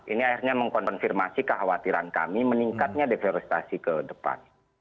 ini akhirnya mengkonfirmasi kekhawatiran kami meningkatnya deforestasi ke depan